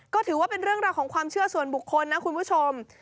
ก็ถือว่าเป็นเรื่องราวของความเชื่อส่วนบุคคลนะคุณผู้ชม